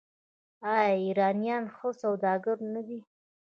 آیا ایرانیان ښه سوداګر نه دي؟